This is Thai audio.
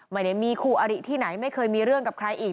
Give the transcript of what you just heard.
ไม่ได้มีคู่อริที่ไหนไม่เคยมีเรื่องกับใครอีก